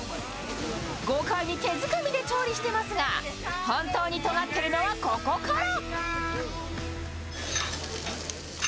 豪快に手づかみで調理していますが本当にとがっているのはここから。